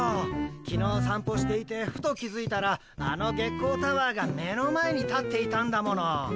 きのうさんぽしていてふと気づいたらあの月光タワーが目の前に立っていたんだもの。